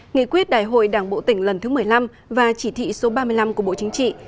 nghị quyết đại hội đảng bộ tỉnh lần thứ một mươi năm và chỉ thị số ba mươi năm của bộ chính trị